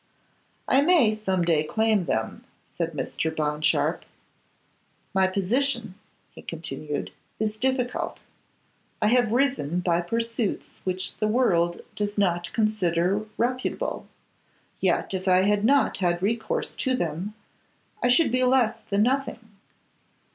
'I may some day claim them,' said Mr. Bond Sharpe. 'My position,' he continued, 'is difficult. I have risen by pursuits which the world does not consider reputable, yet if I had not had recourse to them, I should be less than nothing.